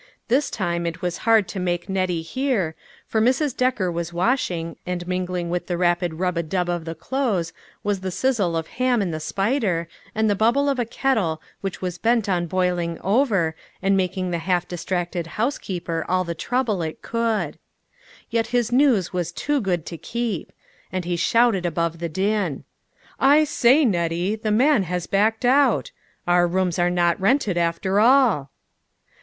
This time it was hard to make Nettie hear, for Mrs. Decker was washing, and mingling with the rapid rub a dub of the clothes was the sizzle of ham in the spider, and the bubble of a kettle which was bent on boiling over, and making the half TOO GOO1> TO BE TRUE. 387 distracted housekeeper all the trouble it could. Yet his news was too good to keep; and he shouted above the din :" I say, Nettie, the man has backed out! Our rooms are not rented, after all."